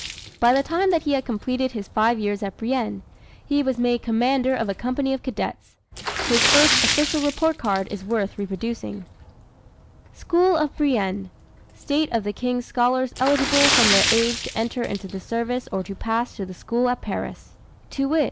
By the time that he had completed his five years at Brienne, he was made commander of a company of cadets. His first official report card is worth reproducing: "School of Brienne: State of the King's scholars eligible from their age to enter into the service or to pass to the school at Paris; to wit, M.